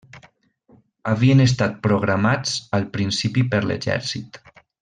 Havien estat programats al principi per l'exèrcit.